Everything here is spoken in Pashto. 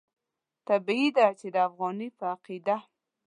طبیعي ده چې د افغاني په عقیده.